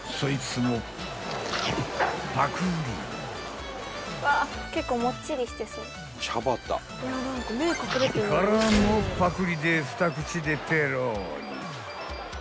のパクリで２口でペロリ］